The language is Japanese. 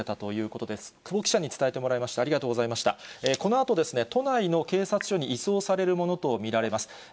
このあと、都内の警察署に移送されるものと見られます。